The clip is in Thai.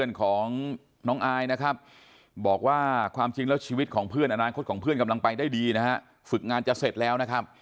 คนของน้องอายบอกว่าความจริงแล้วชีวิตของพี่น้องอายอานนานคร็พึ่งพี่น้องอายกำลังไปได้ดีฝึกงานจะเสร็จแล้ว